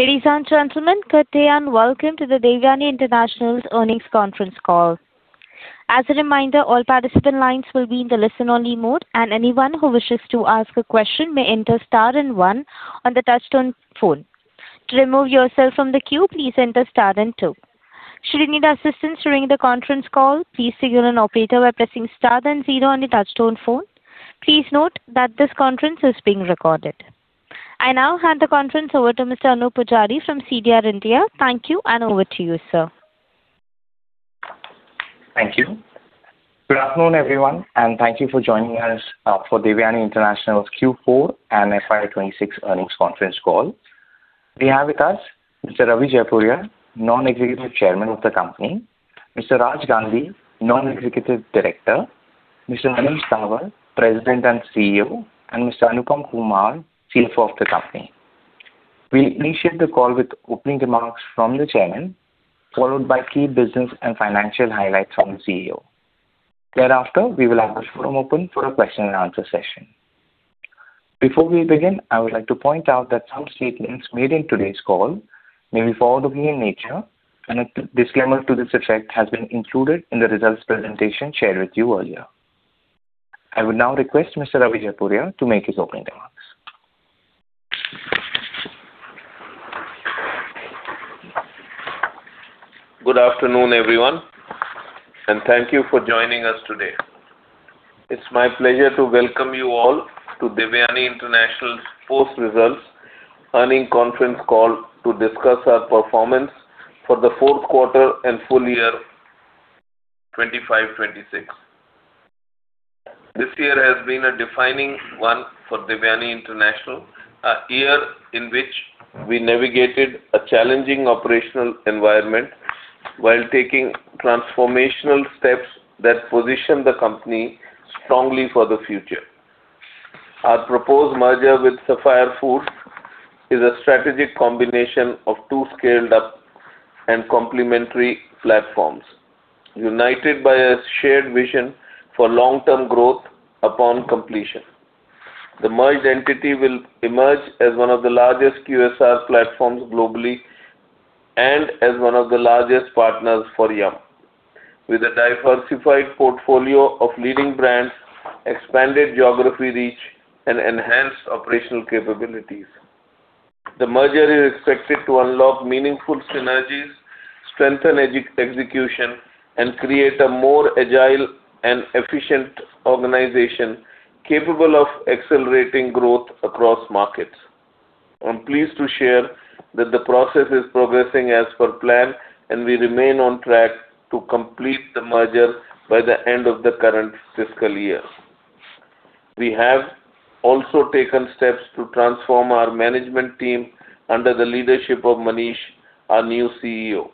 Ladies and gentlemen, good day and welcome to the Devyani International's Earnings Conference Call. As a reminder, all participant lines will be in the listen-only mode, and anyone who wishes to ask a question may enter star one on the touchtone phone. To remove yourself from the queue, please enter star two. Should you need assistance during the conference call, please signal an operator by pressing star zero on your touchtone phone. Please note that this conference is being recorded. I now hand the conference over to Mr. Anoop Poojari from CDR India. Thank you and over to you, sir. Thank you. Good afternoon, everyone, and thank you for joining us for Devyani International's Q4 and FY 2026 Earnings Conference Call. We have with us Mr. Ravi Jaipuria, Non-Executive Chairman of the company, Mr. Raj Gandhi, Non-Executive Director, Mr. Manish Dawar, President and CEO, and Mr. Anupam Kumar, CFO of the company. We'll initiate the call with opening remarks from the Chairman, followed by key business and financial highlights from the CEO. Thereafter, we will have the forum open for a question and answer session. Before we begin, I would like to point out that some statements made in today's call may be forward-looking in nature, and a disclaimer to this effect has been included in the results presentation shared with you earlier. I would now request Mr. Ravi Jaipuria to make his opening remarks. Good afternoon, everyone, and thank you for joining us today. It's my pleasure to welcome you all to Devyani International's post-results earnings conference call to discuss our performance for the fourth quarter and full year 2025, 2026. This year has been a defining one for Devyani International, a year in which we navigated a challenging operational environment while taking transformational steps that position the company strongly for the future. Our proposed merger with Sapphire Foods is a strategic combination of two scaled up and complementary platforms, united by a shared vision for long-term growth upon completion. The merged entity will emerge as one of the largest QSR platforms globally and as one of the largest partners for Yum, with a diversified portfolio of leading brands, expanded geography reach and enhanced operational capabilities. The merger is expected to unlock meaningful synergies, strengthen execution, and create a more agile and efficient organization capable of accelerating growth across markets. I am pleased to share that the process is progressing as per plan, and we remain on track to complete the merger by the end of the current fiscal year. We have also taken steps to transform our management team under the leadership of Manish, our new CEO.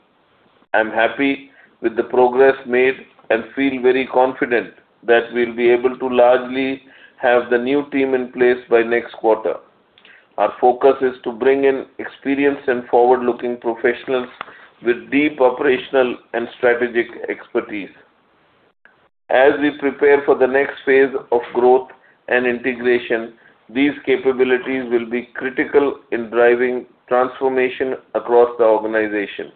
I'm happy with the progress made and feel very confident that we'll be able to largely have the new team in place by next quarter. Our focus is to bring in experienced and forward-looking professionals with deep operational and strategic expertise. As we prepare for the next phase of growth and integration, these capabilities will be critical in driving transformation across the organization.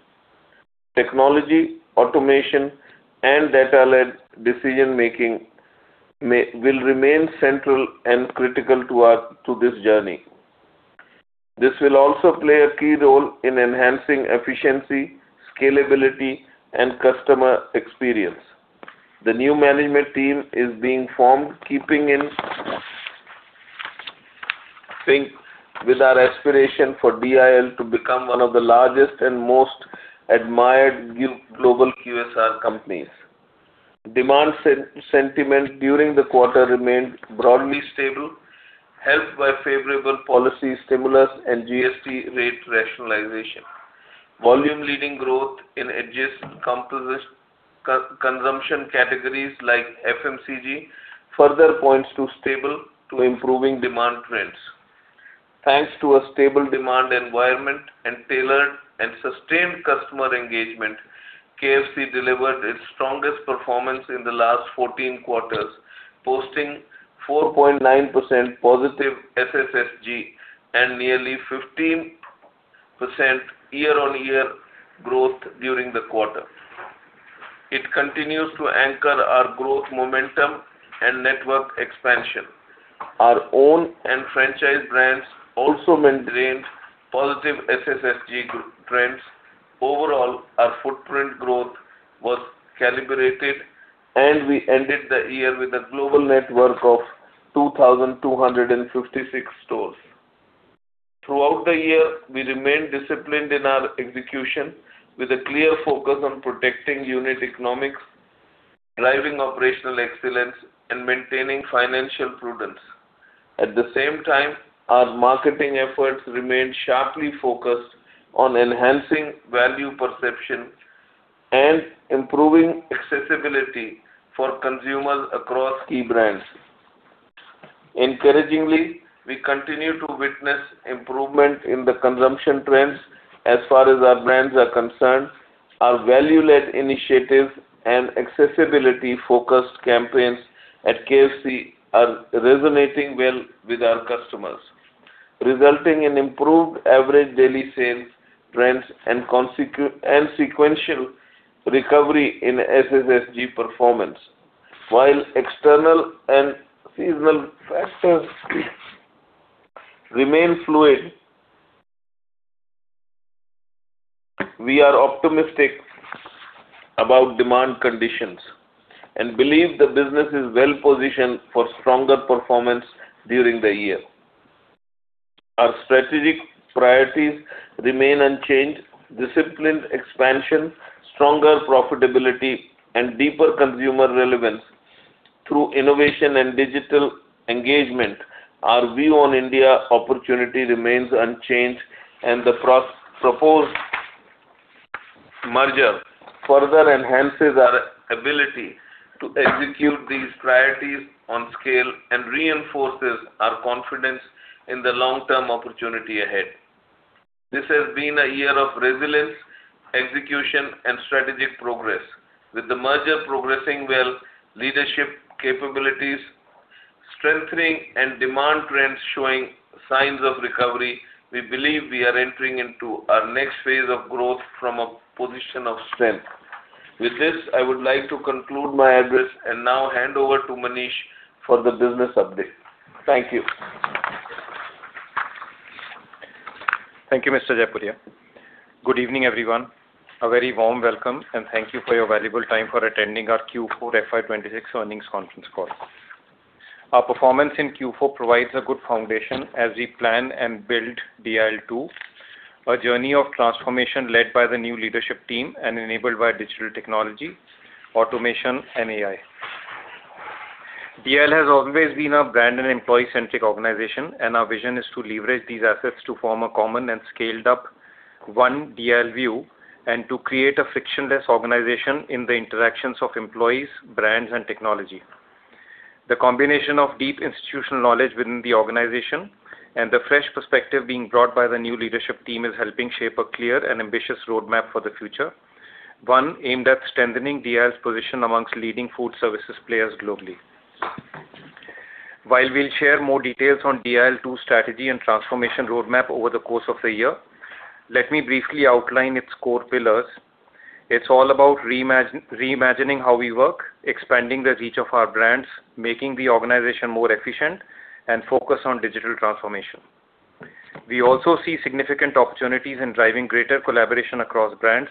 Technology, automation, and data-led decision-making will remain central and critical to this journey. This will also play a key role in enhancing efficiency, scalability, and customer experience. The new management team is being formed, keeping in sync with our aspiration for DIL to become one of the largest and most admired global QSR companies. Demand sentiment during the quarter remained broadly stable, helped by favorable policy stimulus and GST rate rationalization. Volume leading growth in adjacent consumption categories like FMCG further points to stable to improving demand trends. Thanks to a stable demand environment and tailored and sustained customer engagement, KFC delivered its strongest performance in the last 14 quarters, posting 4.9% +SSSG and nearly 15% year-on-year growth during the quarter. It continues to anchor our growth momentum and network expansion. Our own and franchise brands also maintained +SSSG trends. Overall, our footprint growth was calibrated, and we ended the year with a global network of 2,256 stores. Throughout the year, we remained disciplined in our execution with a clear focus on protecting unit economics, driving operational excellence, and maintaining financial prudence. At the same time, our marketing efforts remained sharply focused on enhancing value perception and improving accessibility for consumers across key brands. Encouragingly, we continue to witness improvement in the consumption trends as far as our brands are concerned. Our value-led initiative and accessibility-focused campaigns at KFC are resonating well with our customers, resulting in improved average daily sales trends and sequential recovery in SSSG performance. While external and seasonal factors remain fluid, we are optimistic about demand conditions and believe the business is well-positioned for stronger performance during the year. Our strategic priorities remain unchanged, disciplined expansion, stronger profitability and deeper consumer relevance through innovation and digital engagement. Our view on India opportunity remains unchanged, the proposed merger further enhances our ability to execute these priorities on scale and reinforces our confidence in the long-term opportunity ahead. This has been a year of resilience, execution and strategic progress. With the merger progressing well, leadership capabilities strengthening and demand trends showing signs of recovery, we believe we are entering into our next phase of growth from a position of strength. With this, I would like to conclude my address and now hand over to Manish for the business update. Thank you. Thank you, Mr. Jaipuria. Good evening, everyone. A very warm welcome and thank you for your valuable time for attending our Q4 FY 2026 earnings conference call. Our performance in Q4 provides a good foundation as we plan and build DIL 2, a journey of transformation led by the new leadership team and enabled by digital technology, automation and AI. DIL has always been a brand and employee-centric organization, and our vision is to leverage these assets to form a common and scaled up one DIL view and to create a frictionless organization in the interactions of employees, brands and technology. The combination of deep institutional knowledge within the organization and the fresh perspective being brought by the new leadership team is helping shape a clear and ambitious roadmap for the future, one aimed at strengthening DIL's position amongst leading food services players globally. While we'll share more details on DIL 2 strategy and transformation roadmap over the course of the year, let me briefly outline its core pillars. It's all about reimagining how we work, expanding the reach of our brands, making the organization more efficient and focus on digital transformation. We also see significant opportunities in driving greater collaboration across brands,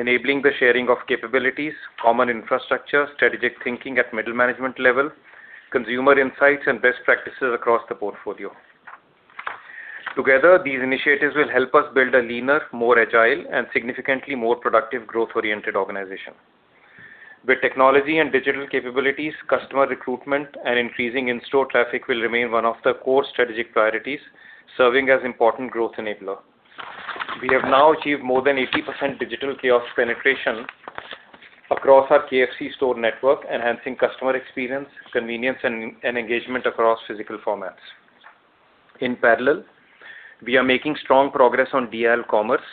enabling the sharing of capabilities, common infrastructure, strategic thinking at middle management level, consumer insights and best practices across the portfolio. Together, these initiatives will help us build a leaner, more agile and significantly more productive growth-oriented organization. With technology and digital capabilities, customer recruitment and increasing in-store traffic will remain one of the core strategic priorities, serving as important growth enabler. We have now achieved more than 80% digital kiosk penetration across our KFC store network, enhancing customer experience, convenience and engagement across physical formats. In parallel, we are making strong progress on DIL Commerce,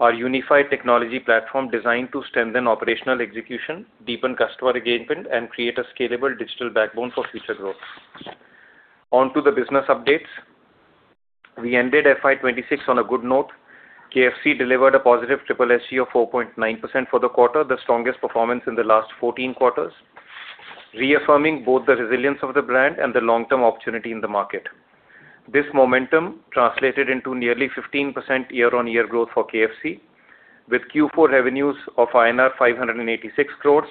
our unified technology platform designed to strengthen operational execution, deepen customer engagement, and create a scalable digital backbone for future growth. On to the business updates. We ended FY 2026 on a good note. KFC delivered a +SSSG of 4.9% for the quarter, the strongest performance in the last 14 quarters, reaffirming both the resilience of the brand and the long-term opportunity in the market. This momentum translated into nearly 15% year-on-year growth for KFC, with Q4 revenues of INR 586 crores.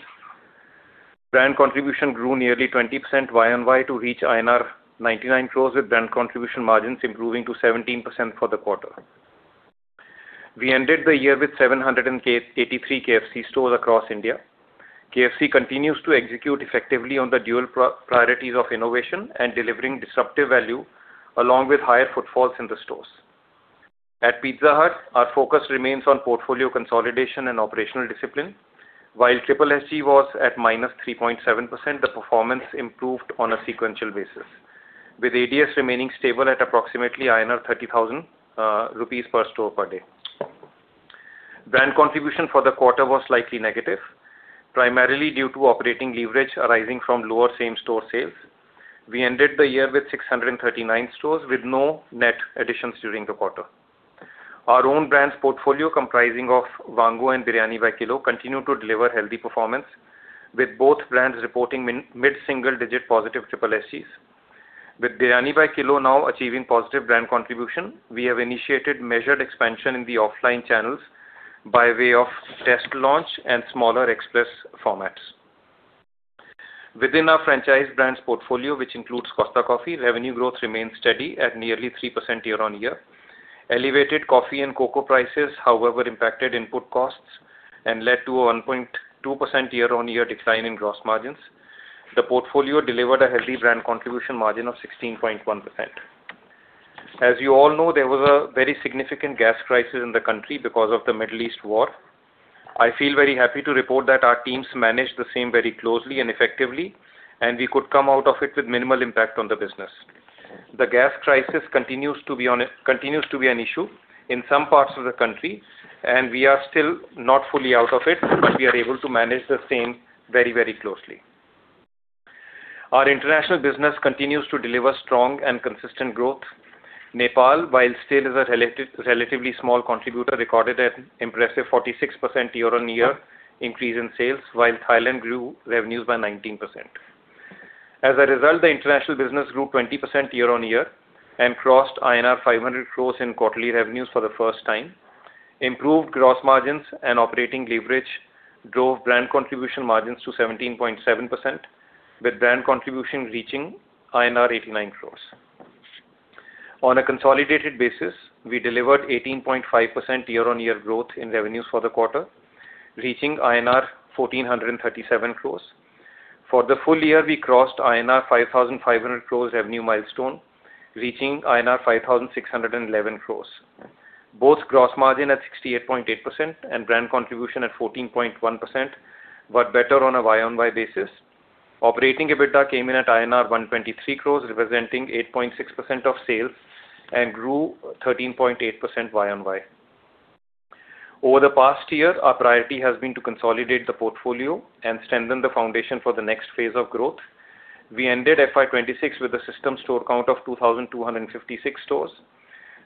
Brand contribution grew nearly 20% YOY to reach INR 99 crores, with brand contribution margins improving to 17% for the quarter. We ended the year with 783 KFC stores across India. KFC continues to execute effectively on the dual priorities of innovation and delivering disruptive value, along with higher footfalls in the stores. At Pizza Hut, our focus remains on portfolio consolidation and operational discipline. While SSSG was at -3.7%, the performance improved on a sequential basis, with ADS remaining stable at approximately 30,000 rupees per store per day. Brand contribution for the quarter was slightly negative, primarily due to operating leverage arising from lower same-store sales. We ended the year with 639 stores, with no net additions during the quarter. Our own brands portfolio, comprising of Vaango and Biryani by Kilo, continue to deliver healthy performance, with both brands reporting mid-single digit +SSSGs. With Biryani by Kilo now achieving positive brand contribution, we have initiated measured expansion in the offline channels by way of test launch and smaller express formats. Within our franchise brands portfolio, which includes Costa Coffee, revenue growth remains steady at nearly 3% year-on-year. Elevated coffee and cocoa prices, however, impacted input costs and led to a 1.2% year-on-year decline in gross margins. The portfolio delivered a healthy brand contribution margin of 16.1%. As you all know, there was a very significant gas crisis in the country because of the Middle East war. I feel very happy to report that our teams managed the same very closely and effectively, and we could come out of it with minimal impact on the business. The gas crisis continues to be an issue in some parts of the country, and we are still not fully out of it, but we are able to manage the same very closely. Our international business continues to deliver strong and consistent growth. Nepal, while still is a relatively small contributor, recorded an impressive 46% year-on-year increase in sales, while Thailand grew revenues by 19%. As a result, the international business grew 20% year-on-year and crossed INR 500 crores in quarterly revenues for the first time. Improved gross margins and operating leverage drove brand contribution margins to 17.7%, with brand contribution reaching INR 89 crores. On a consolidated basis, we delivered 18.5% year-on-year growth in revenues for the quarter, reaching INR 1,437 crores. For the full year, we crossed INR 5,500 crores revenue milestone, reaching INR 5,611 crores. Both gross margin at 68.8% and brand contribution at 14.1% were better on a YOY basis. Operating EBITDA came in at INR 123 crores, representing 8.6% of sales, and grew 13.8% Y-on-Y. Over the past year, our priority has been to consolidate the portfolio and strengthen the foundation for the next phase of growth. We ended FY 2026 with a system store count of 2,256 stores,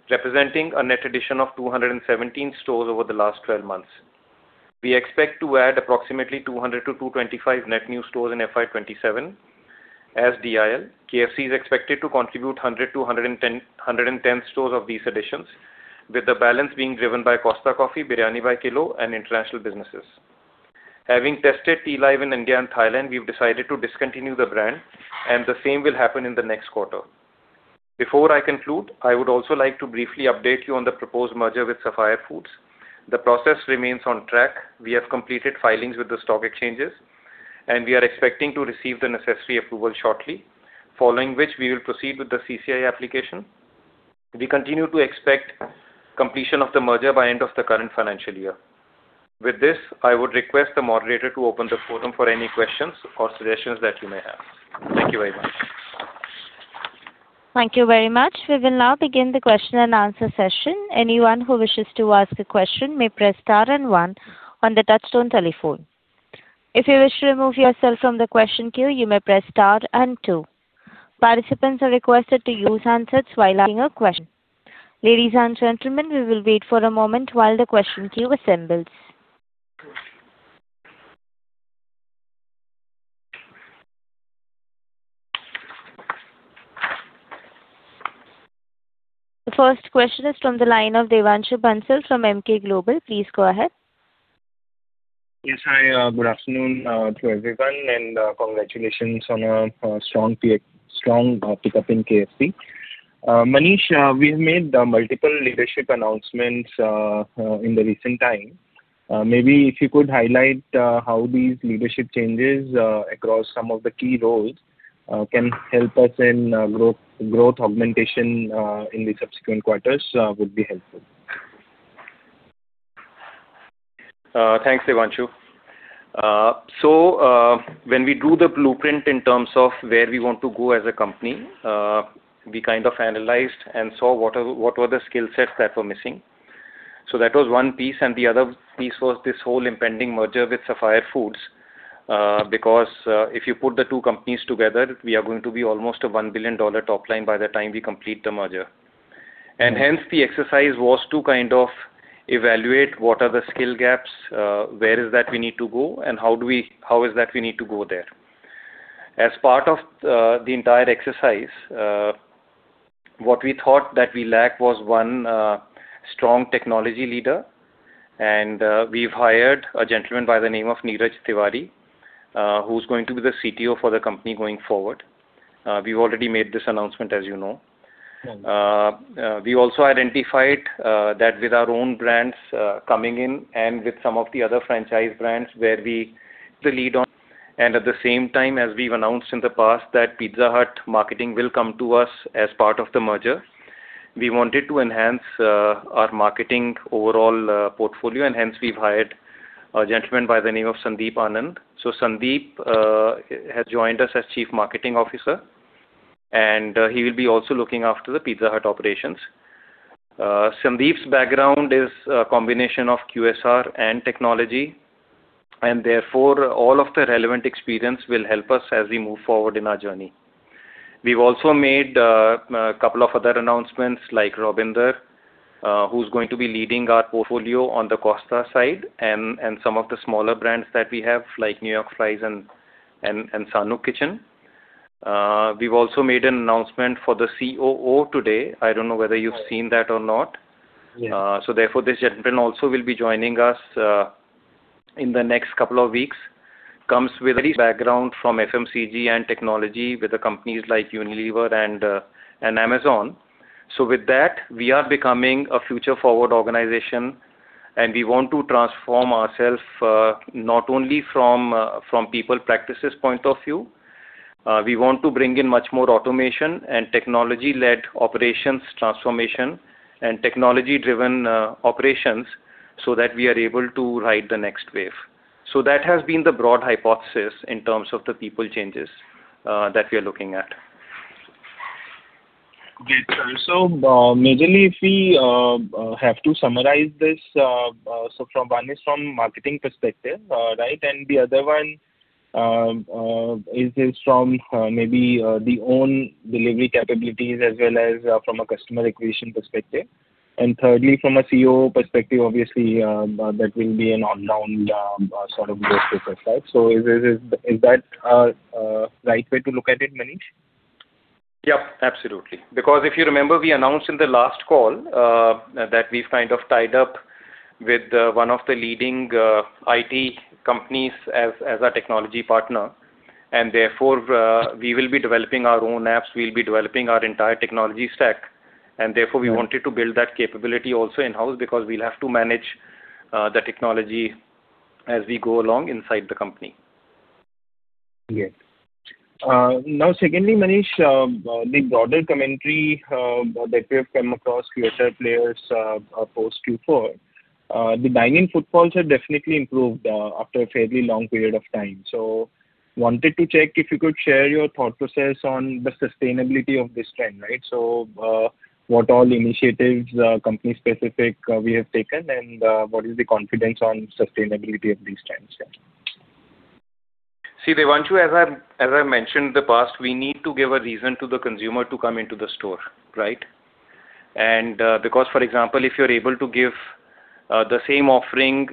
representing a net addition of 217 stores over the last 12 months. We expect to add approximately 200-225 net new stores in FY 2027. As DIL, KFC is expected to contribute 100-110 stores of these additions, with the balance being driven by Costa Coffee, Biryani By Kilo and international businesses. Having tested Tealive in India and Thailand, we've decided to discontinue the brand, and the same will happen in the next quarter. Before I conclude, I would also like to briefly update you on the proposed merger with Sapphire Foods. The process remains on track. We have completed filings with the stock exchanges, and we are expecting to receive the necessary approval shortly, following which we will proceed with the CCI application. We continue to expect completion of the merger by end of the current financial year. With this, I would request the moderator to open the forum for any questions or suggestions that you may have. Thank you very much. Thank you very much. We will now begin the question and answer session. Anyone who wishes to ask a question may press star one on the touch-tone telephone. If you wish to remove yourself from the question queue, you may press star two. Participants are requested to use handsets while asking a question. Ladies and gentlemen, we will wait for a moment while the question queue assembles. The first question is from the line of Devanshu Bansal from Emkay Global. Please go ahead. Yes. Hi. Good afternoon to everyone and congratulations on a strong pickup in KFC. Manish, we've made multiple leadership announcements in the recent time. Maybe if you could highlight how these leadership changes across some of the key roles can help us in growth augmentation in the subsequent quarters would be helpful? Thanks, Devanshu. When we do the blueprint in terms of where we want to go as a company, we kind of analyzed and saw what were the skill sets that were missing. That was one piece, and the other piece was this whole impending merger with Sapphire Foods. Because, if you put the two companies together, we are going to be almost an INR 1 billion top line by the time we complete the merger. Hence the exercise was to kind of evaluate what are the skill gaps, where is that we need to go and how is that we need to go there. As part of the entire exercise, what we thought that we lack was 1 strong technology leader and we've hired a gentleman by the name of Neeraj Tiwari, who's going to be the CTO for the company going forward. We've already made this announcement, as you know. We also identified that with our own brands coming in and with some of the other franchise brands where we the lead on. At the same time, as we've announced in the past that Pizza Hut marketing will come to us as part of the merger. We wanted to enhance our marketing overall portfolio and hence we've hired a gentleman by the name of Sandeep Anand. Sandeep has joined us as Chief Marketing Officer and he will be also looking after the Pizza Hut operations. Sandeep's background is a combination of QSR and technology, and therefore all of the relevant experience will help us as we move forward in our journey. We've also made a couple of other announcements like Robinder, who's going to be leading our portfolio on the Costa side and some of the smaller brands that we have like New York Fries and Sanook Kitchen. We've also made an announcement for the COO today. I don't know whether you've seen that or not. Yeah. Therefore, this gentleman also will be joining us in the next couple of weeks. Comes with a background from FMCG and technology with the companies like Unilever and Amazon. With that, we are becoming a future forward organization and we want to transform ourself, not only from people practices point of view, we want to bring in much more automation and technology-led operations transformation and technology-driven operations so that we are able to ride the next wave. That has been the broad hypothesis in terms of the people changes that we are looking at. Great. Majorly if we have to summarize this, one is from marketing perspective? Right. The other one is from, maybe, the own delivery capabilities as well as from a customer acquisition perspective. Thirdly, from a CEO perspective, obviously, that will be an unknown sort of risk profile. Is that right way to look at it, Manish? Yep, absolutely. If you remember, we announced in the last call, that we've kind of tied up with one of the leading IT companies as our technology partner and therefore, we will be developing our own apps. We'll be developing our entire technology stack, and therefore we wanted to build that capability also in-house because we'll have to manage the technology as we go along inside the company. Yeah. Now secondly, Manish, the broader commentary that we have come across QSR players, post Q4, the dine-in footfalls have definitely improved after a fairly long period of time. Wanted to check if you could share your thought process on the sustainability of this trend, right? What all initiatives, company specific, we have taken and what is the confidence on sustainability of these trends? See, Devanshu, as I mentioned in the past, we need to give a reason to the consumer to come into the store, right? Because for example, if you're able to give the same offering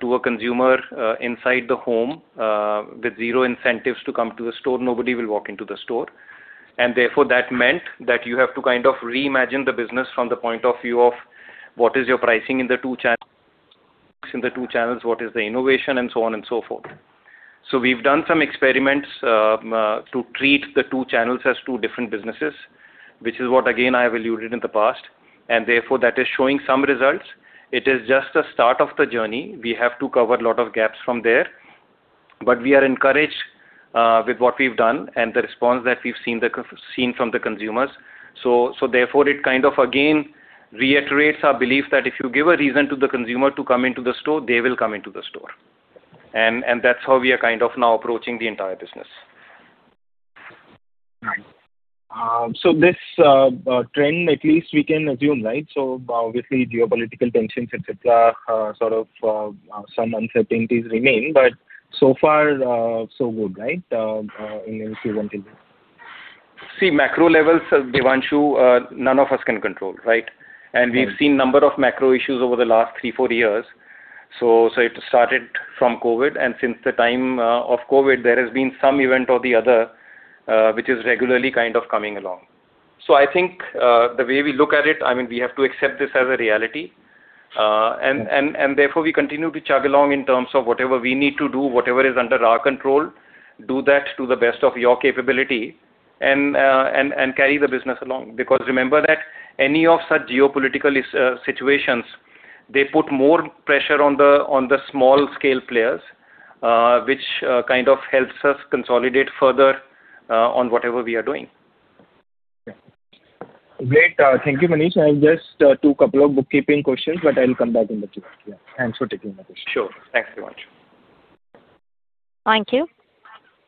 to a consumer inside the home with zero incentives to come to the store, nobody will walk into the store. Therefore, that meant that you have to kind of reimagine the business from the point of view of what is your pricing in the two channels, what is the innovation and so on and so forth. We've done some experiments to treat the two channels as two different businesses, which is what again, I have alluded in the past, and therefore that is showing some results. It is just the start of the journey. We have to cover a lot of gaps from there. We are encouraged with what we've done and the response that we've seen from the consumers. Therefore it kind of again reiterates our belief that if you give a reason to the consumer to come into the store, they will come into the store. That's how we are kind of now approaching the entire business. Right. This trend at least we can assume, right? Obviously geopolitical tensions et cetera, sort of, some uncertainties remain, but so far, so good, right, in Q1, Q2. See, macro levels, Devanshu, none of us can control, right? Right. We've seen number of macro issues over the last 3 year, 4 years. It started from COVID, and since the time of COVID, there has been some event or the other, which is regularly kind of coming along. I think, the way we look at it, I mean, we have to accept this as a reality. And therefore we continue to chug along in terms of whatever we need to do, whatever is under our control, do that to the best of your capability and carry the business along. Remember that any of such geopolitical situations, they put more pressure on the small scale players, which kind of helps us consolidate further, on whatever we are doing. Okay. Great. Thank you, Manish. I have just, two couple of bookkeeping questions. I'll come back in the queue. Yeah. Thanks for taking my question. Sure. Thanks, Devanshu. Thank you.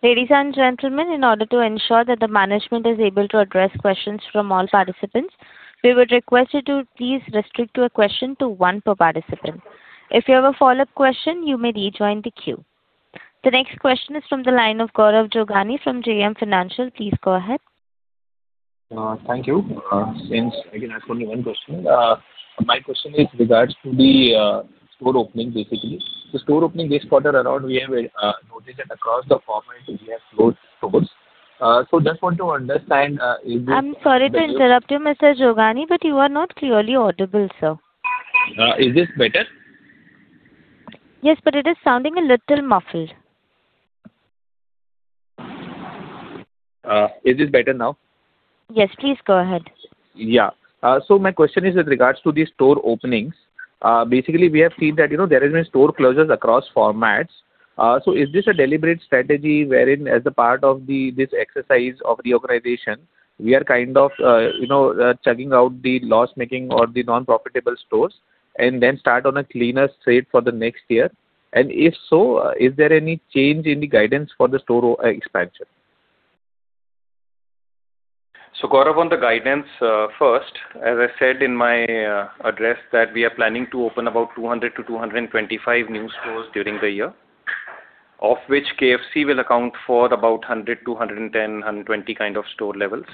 Ladies and gentlemen, in order to ensure that the management is able to address questions from all participants, we would request you to please restrict your question to one per participant. If you have a follow-up question, you may rejoin the queue. The next question is from the line of Gaurav Jogani from JM Financial. Please go ahead. Thank you. Since I can ask only one question, my question regards to the store opening basically. The store opening this quarter around, we have noticed that across the format we have closed stores. Just want to understand. I'm sorry to interrupt you, Mr. Jogani, but you are not clearly audible, sir. Is this better? Yes, it is sounding a little muffled. Is this better now? Yes, please go ahead. My question is with regards to the store openings. Basically, we have seen that, you know, there has been store closures across formats. Is this a deliberate strategy wherein as a part of this exercise of reorganization, we are kind of, you know, chugging out the loss-making or the non-profitable stores and then start on a cleaner slate for the next year? If so, is there any change in the guidance for the store expansion? Gaurav, on the guidance, first, as I said in my address that we are planning to open about 200-225 new stores during the year. Of which KFC will account for about 100-110, 120 kind of store levels.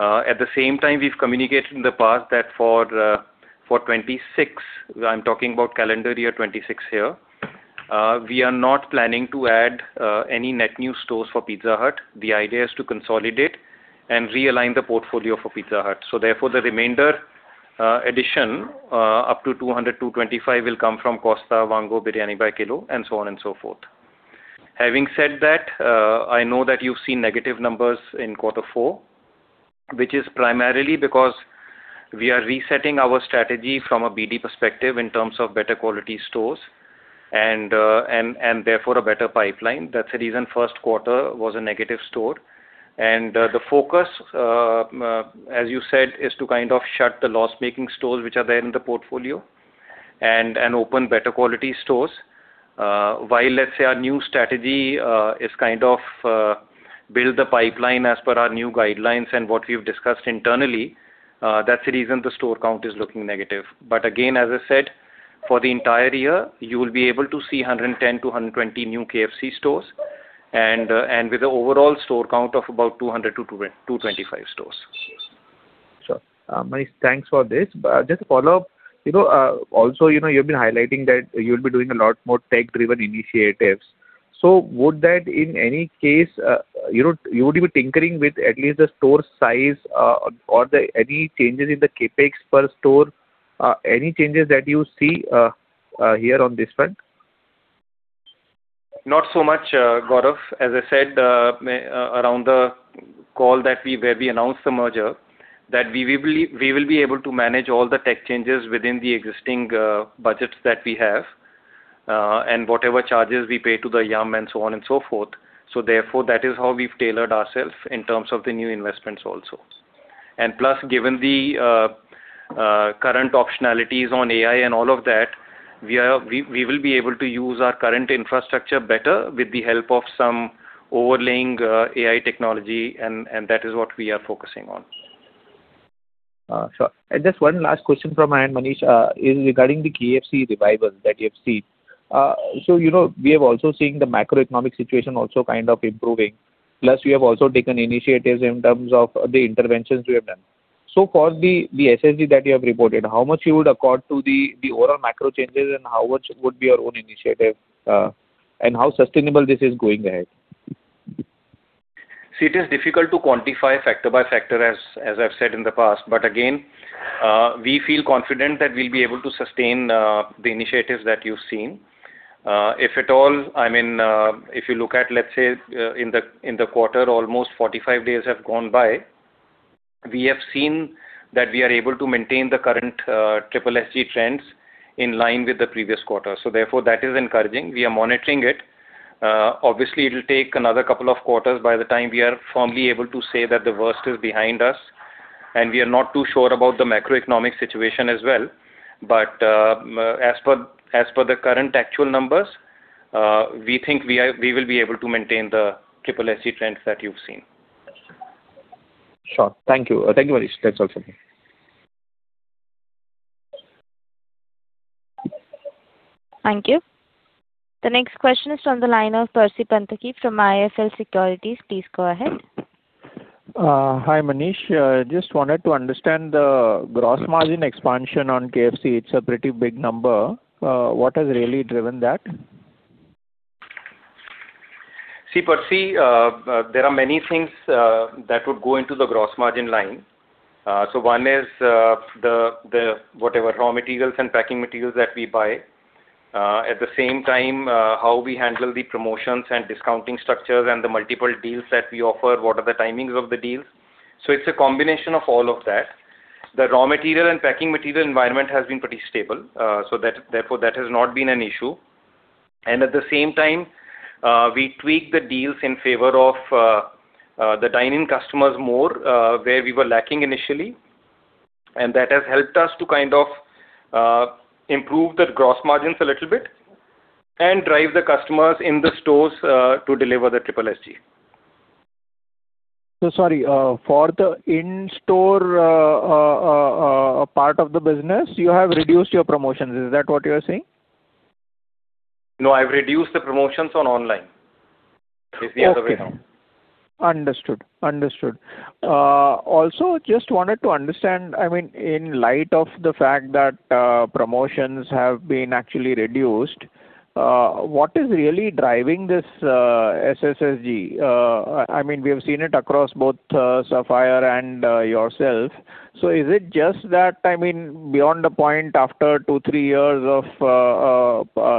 At the same time, we've communicated in the past that for 2026, I'm talking about calendar year 2026 here, we are not planning to add any net new stores for Pizza Hut. The idea is to consolidate and realign the portfolio for Pizza Hut. Therefore, the remainder, addition, up to 200-225 will come from Costa, Vaango, Biryani by Kilo and so on and so forth. Having said that, I know that you've seen negative numbers in quarter four, which is primarily because we are resetting our strategy from a BD perspective in terms of better-quality stores and therefore a better pipeline. That's the reason first quarter was a negative store. The focus, as you said, is to kind of shut the loss-making stores which are there in the portfolio and open better-quality stores. While, let's say, our new strategy is kind of build the pipeline as per our new guidelines and what we've discussed internally, that's the reason the store count is looking negative. Again, as I said, for the entire year, you will be able to see 110 to 120 new KFC stores and with the overall store count of about 200 to 225 stores. Sure. Manish, thanks for this. Just a follow-up. You know, also, you know, you've been highlighting that you'll be doing a lot more tech-driven initiatives. Would that in any case, you know, you would be tinkering with at least the store size, or the any changes in the CapEx per store, any changes that you see, here on this front? Not so much, Gaurav. As I said, around the call where we announced the merger, that we will be able to manage all the tech changes within the existing budgets that we have, and whatever charges we pay to the Yum! and so on and so forth. Therefore, that is how we've tailored ourselves in terms of the new investments also. Plus, given the current optionalities on AI and all of that, we are, we will be able to use our current infrastructure better with the help of some overlaying AI technology and that is what we are focusing on. Sure. Just one last question from my end, Manish, is regarding the KFC revival that you have seen. You know, we have also seen the macroeconomic situation also kind of improving, plus you have also taken initiatives in terms of the interventions you have done. For the SSSG that you have reported, how much you would accord to the overall macro changes and how much would be your own initiative, and how sustainable this is going ahead? See, it is difficult to quantify factor by factor, as I've said in the past. Again, we feel confident that we'll be able to sustain the initiatives that you've seen. If at all, I mean, if you look at, let's say, in the quarter, almost 45 days have gone by. We have seen that we are able to maintain the current SSSG trends in line with the previous quarter. Therefore, that is encouraging. We are monitoring it. Obviously, it'll take another couple of quarters by the time we are firmly able to say that the worst is behind us, and we are not too sure about the macroeconomic situation as well. As per the current actual numbers, we think we will be able to maintain the SSSG trends that you've seen. Sure. Thank you. Thank you, Manish. That's all from me. Thank you. The next question is from the line of Percy Panthaki from IIFL Securities. Please go ahead. Hi, Manish. Just wanted to understand the gross margin expansion on KFC. It's a pretty big number. What has really driven that? See, Percy, there are many things that would go into the gross margin line. One is, the whatever raw materials and packing materials that we buy. At the same time, how we handle the promotions and discounting structures and the multiple deals that we offer, what are the timings of the deals. It's a combination of all of that. The raw material and packing material environment has been pretty stable, so that, therefore, that has not been an issue. At the same time, we tweaked the deals in favor of the dine-in customers more, where we were lacking initially. That has helped us to kind of improve the gross margins a little bit and drive the customers in the stores to deliver the SSSG. sorry, for the in-store, part of the business, you have reduced your promotions. Is that what you're saying? No, I've reduced the promotions on online. It's the other way around. Okay. Understood. Understood. Also just wanted to understand, I mean, in light of the fact that promotions have been actually reduced, what is really driving this SSSG? I mean, we have seen it across both Sapphire and yourself. Is it just that, I mean, beyond the point after 2 year, 3 years of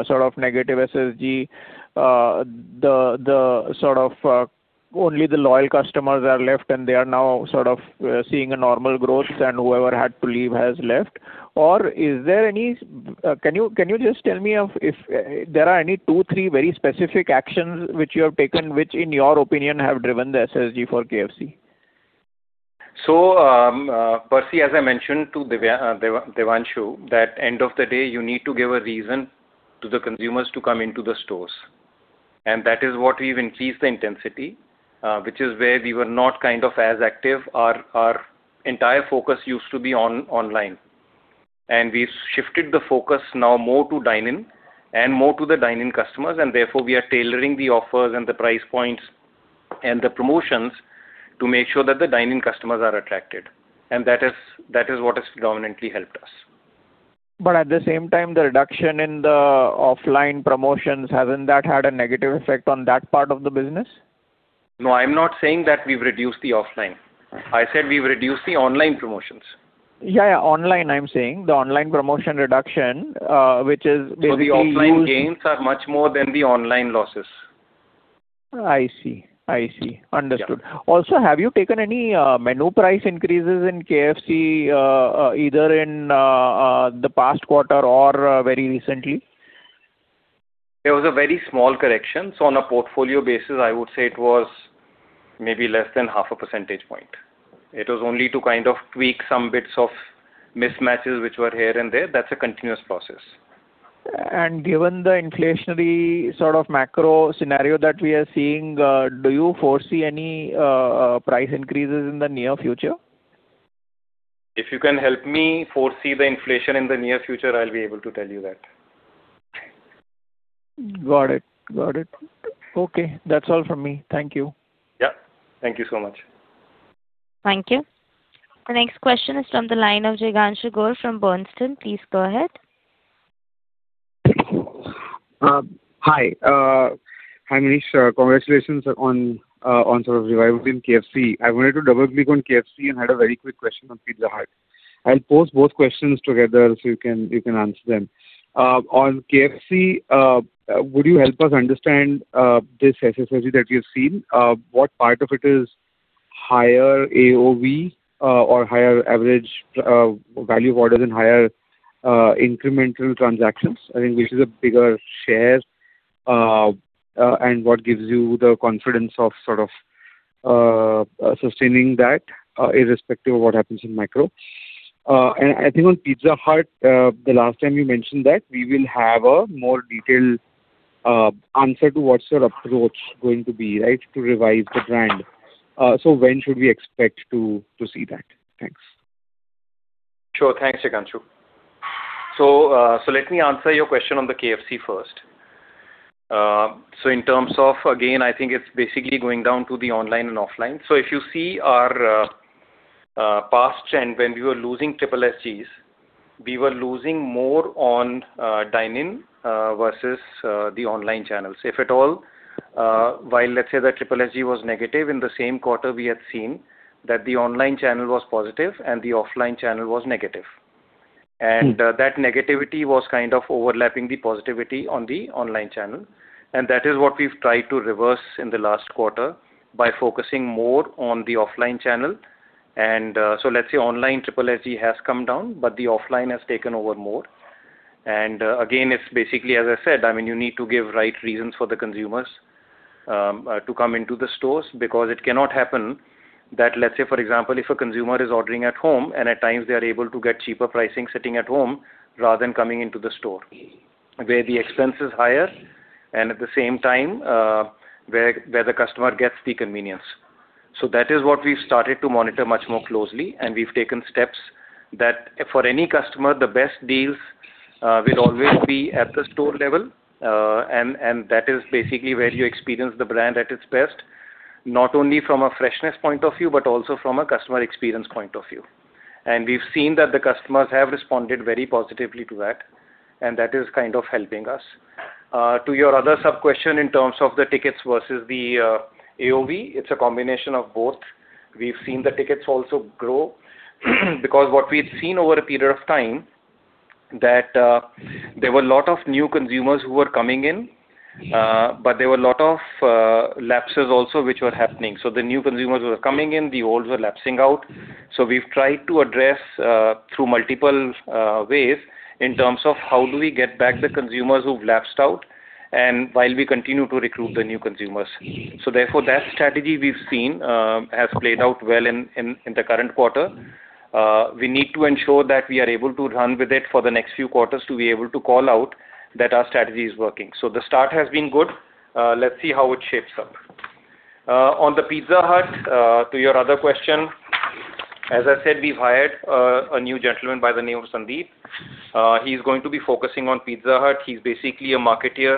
sort of -SSSG, the sort of only the loyal customers are left, and they are now sort of seeing a normal growth and whoever had to leave has left? Can you just tell me if there are any 2, 3 very specific actions which you have taken, which in your opinion have driven the SSSG for KFC? Percy, as I mentioned to Devanshu Bansal, that end of the day you need to give a reason to the consumers to come into the stores. That is what we've increased the intensity, which is where we were not kind of as active. Our, our entire focus used to be on online. We've shifted the focus now more to dine-in and more to the dine-in customers, and therefore we are tailoring the offers and the price points and the promotions to make sure that the dine-in customers are attracted. That is, that is what has dominantly helped us. At the same time, the reduction in the offline promotions, hasn't that had a negative effect on that part of the business? No, I'm not saying that we've reduced the offline. I said we've reduced the online promotions. Yeah, yeah. Online, I'm saying. The online promotion reduction. The offline gains are much more than the online losses. I see. I see. Understood. Yeah. Have you taken any menu price increases in KFC either in the past quarter or very recently? There was a very small correction. On a portfolio basis, I would say it was maybe less than 0.5 percentage point. It was only to kind of tweak some bits of mismatches which were here and there. That's a continuous process. Given the inflationary sort of macro scenario that we are seeing, do you foresee any price increases in the near future? If you can help me foresee the inflation in the near future, I'll be able to tell you that. Got it. Okay, that's all from me. Thank you. Yeah. Thank you so much. Thank you. The next question is from the line of Jignanshu Gor from Bernstein. Please go ahead. Hi. Hi, Manish. Congratulations on sort of revival in KFC. I wanted to double-click on KFC and had a very quick question on Pizza Hut. I'll pose both questions together so you can answer them. On KFC, would you help us understand this SSSG that you've seen? What part of it is higher AOV, or higher average value orders and higher incremental transactions? I think which is a bigger share, and what gives you the confidence of sustaining that, irrespective of what happens in macro? I think on Pizza Hut, the last time you mentioned that we will have a more detailed answer to what's your approach going to be, right, to revive the brand. When should we expect to see that? Thanks. Sure. Thanks, Jignanshu. Let me answer your question on the KFC first. In terms of, again, I think it's basically going down to the online and offline. If you see our past trend when we were losing SSSG, we were losing more on dine-in versus the online channels. If at all, while let's say the SSSG was negative, in the same quarter we had seen that the online channel was positive and the offline channel was negative. That negativity was kind of overlapping the positivity on the online channel. That is what we've tried to reverse in the last quarter by focusing more on the offline channel. Let's say online SSSG has come down, but the offline has taken over more. Again, it's basically, as I said, I mean, you need to give right reasons for the consumers to come into the stores because it cannot happen that, let's say for example, if a consumer is ordering at home and at times they are able to get cheaper pricing sitting at home rather than coming into the store where the expense is higher and at the same time, where the customer gets the convenience. That is what we've started to monitor much more closely, and we've taken steps that for any customer, the best deals will always be at the store level. And that is basically where you experience the brand at its best, not only from a freshness point of view, but also from a customer experience point of view. We've seen that the customers have responded very positively to that, and that is kind of helping us. To your other sub-question in terms of the tickets versus the AOV, it's a combination of both. We've seen the tickets also grow because what we've seen over a period of time that there were a lot of new consumers who were coming in, but there were a lot of lapses also which were happening. The new consumers were coming in, the old were lapsing out. We've tried to address through multiple ways in terms of how do we get back the consumers who've lapsed out and while we continue to recruit the new consumers. Therefore, that strategy we've seen has played out well in the current quarter. We need to ensure that we are able to run with it for the next few quarters to be able to call out that our strategy is working. The start has been good. Let's see how it shapes up. On the Pizza Hut, to your other question, as I said, we've hired a new gentleman by the name of Sandeep. He's going to be focusing on Pizza Hut. He's basically a marketeer,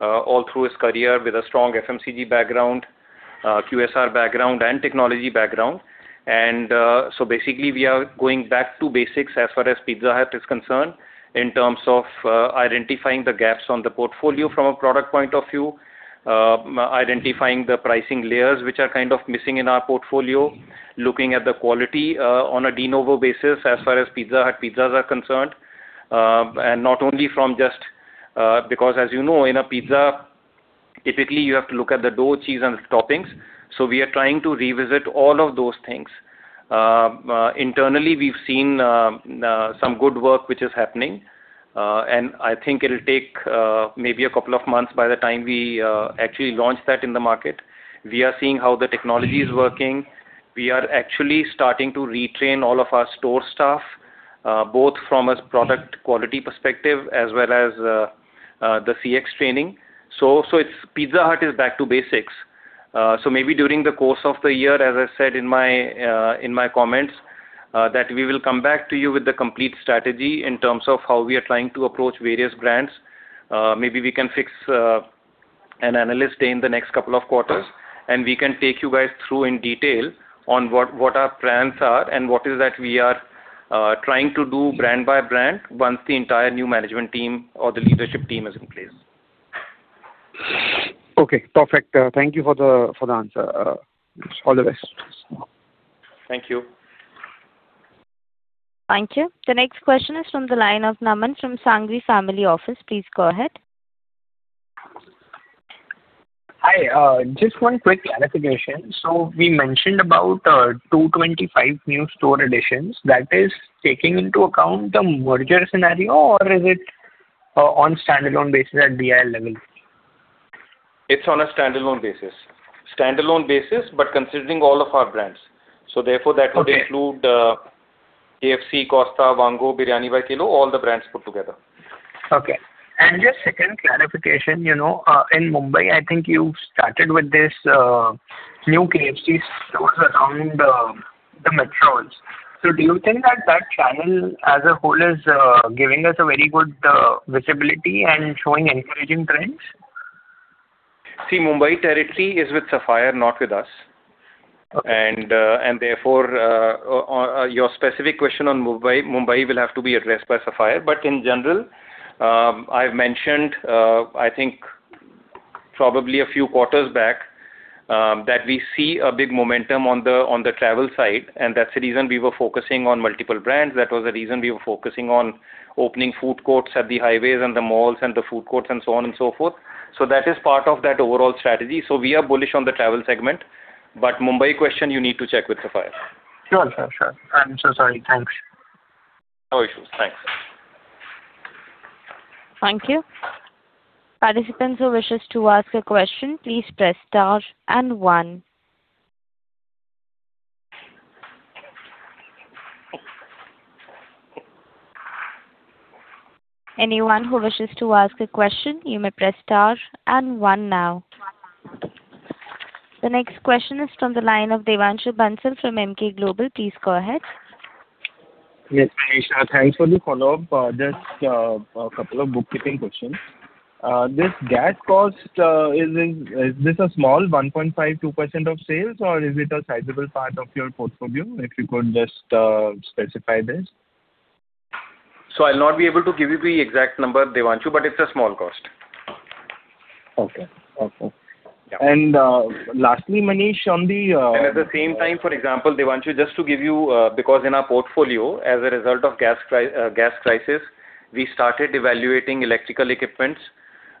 all through his career with a strong FMCG background, QSR background, and technology background. Basically we are going back to basics as far as Pizza Hut is concerned in terms of identifying the gaps on the portfolio from a product point of view, identifying the pricing layers which are kind of missing in our portfolio, looking at the quality on a de novo basis as far as Pizza Hut pizzas are concerned. Not only from just, because as you know, in a pizza, typically you have to look at the dough, cheese and toppings. We are trying to revisit all of those things. Internally we've seen some good work which is happening. I think it'll take maybe a couple of months by the time we actually launch that in the market. We are seeing how the technology is working. We are actually starting to retrain all of our store staff, both from a product quality perspective as well as the CX training. It's Pizza Hut is back to basics. Maybe during the course of the year, as I said in my in my comments, that we will come back to you with the complete strategy in terms of how we are trying to approach various brands. Maybe we can fix an analyst day in the next couple of quarters, and we can take you guys through in detail on what our plans are and what is that we are trying to do brand by brand once the entire new management team or the leadership team is in place. Okay, perfect. Thank you for the answer. All the best. Thank you. Thank you. The next question is from the line of Naman from Sanghvi Family Office. Please go ahead. Hi, just one quick clarification. We mentioned about, 225 new store additions. That is taking into account the merger scenario, or is it, on standalone basis at DIL level? It's on a standalone basis. Standalone basis, but considering all of our brands. Therefore, that would include KFC, Costa, Vaango, Biryani By Kilo, all the brands put together. Okay. Just second clarification, you know, in Mumbai, I think you started with this new KFC stores around the metros. Do you think that that channel as a whole is giving us a very good visibility and showing encouraging trends? See, Mumbai territory is with Sapphire, not with us. Okay. Therefore, on your specific question on Mumbai will have to be addressed by Sapphire. In general, I've mentioned I think probably a few quarters back, that we see a big momentum on the travel side, and that's the reason we were focusing on multiple brands. That was the reason we were focusing on opening food courts at the highways and the malls and the food courts and so on and so forth. That is part of that overall strategy. We are bullish on the travel segment. Mumbai question, you need to check with Sapphire. Sure, sure. I'm so sorry. Thanks. No issues. Thanks. Thank you. Participants who wishes to ask a question, please press star and one. Anyone who wishes to ask a question, you may press star and one now. The next question is from the line of Devanshu Bansal from Emkay Global. Please go ahead. Yes, Manish. Thanks for the follow-up. Just a couple of bookkeeping questions. This gas cost is in, is this a small 1.52% of sales, or is it a sizable part of your portfolio? If you could just specify this. I'll not be able to give you the exact number, Devanshu, but it's a small cost. Okay. Okay. Yeah. lastly, Manish, on the. At the same time, for example, Devanshu, just to give you, because in our portfolio, as a result of gas crisis, we started evaluating electrical equipments.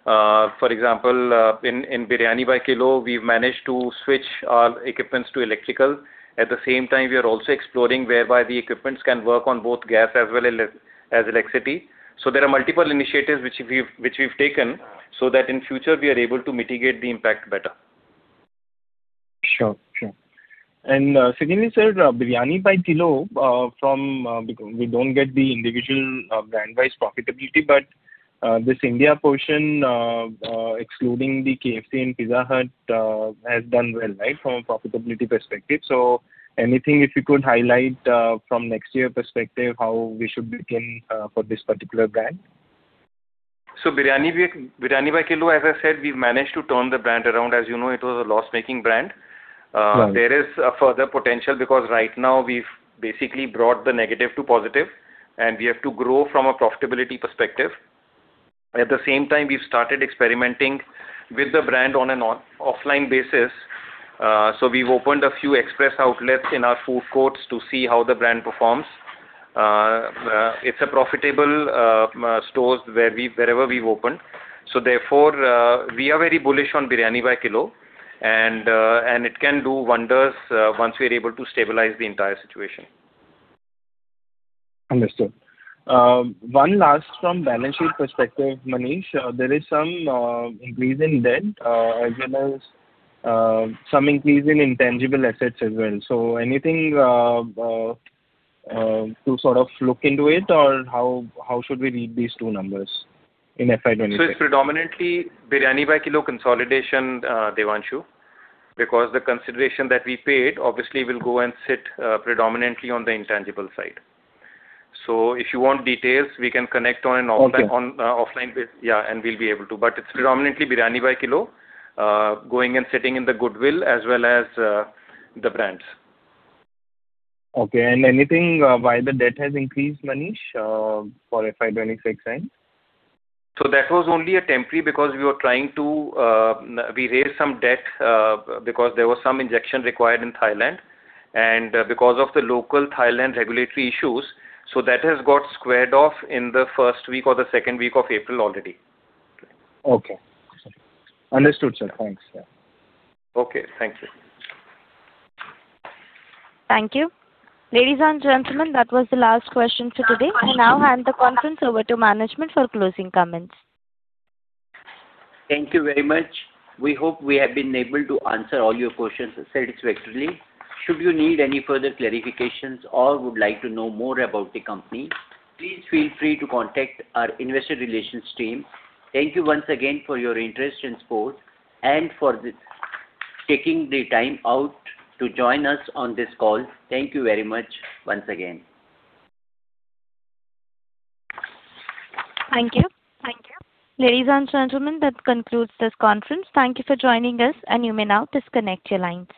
For example, in Biryani By Kilo, we've managed to switch our equipments to electrical. At the same time, we are also exploring whereby the equipments can work on both gas as well as electricity. There are multiple initiatives which we've taken, so that in future we are able to mitigate the impact better. Sure. Sure. Secondly, sir, Biryani by Kilo, from, we don't get the individual, brand wise profitability, but, this India portion, excluding the KFC and Pizza Hut, has done well, right? From a profitability perspective. Anything if you could highlight, from next year perspective, how we should be looking, for this particular brand? Biryani By Kilo, as I said, we've managed to turn the brand around. As you know, it was a loss-making brand. Right. There is further potential because right now we've basically brought the negative to positive and we have to grow from a profitability perspective. At the same time, we've started experimenting with the brand on an offline basis. We've opened a few express outlets in our food courts to see how the brand performs. It's a profitable stores where we, wherever we've opened. We are very bullish on Biryani by Kilo, and it can do wonders, once we are able to stabilize the entire situation. Understood. One last from balance sheet perspective, Manish. There is some increase in debt, as well as some increase in intangible assets as well. Anything to sort of look into it or how should we read these two numbers in FY 2026? It is predominantly Biryani by Kilo consolidation, Devanshu, because the consideration that we paid obviously will go and sit predominantly on the intangible side. If you want details, we can connect on an offline. Okay. On offline basis. Yeah, we'll be able to. It's predominantly Biryani By Kilo, going and sitting in the goodwill as well as the brands. Okay. anything why the debt has increased, Manish, for FY 2026 end? That was only a temporary because we were trying to, we raised some debt because there was some injection required in Thailand and because of the local Thailand regulatory issues. That has got squared off in the first week or the second week of April already. Okay. Understood, sir. Thanks. Yeah. Okay. Thank you. Thank you. Ladies and gentlemen, that was the last question for today. I now hand the conference over to management for closing comments. Thank you very much. We hope we have been able to answer all your questions satisfactorily. Should you need any further clarifications or would like to know more about the company, please feel free to contact our investor relations team. Thank you once again for your interest and support and for taking the time out to join us on this call. Thank you very much once again. Thank you. Thank you. Ladies and gentlemen, that concludes this conference. Thank you for joining us, and you may now disconnect your lines.